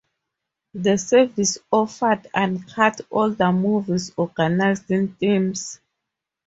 The service offered uncut older movies organized in themes.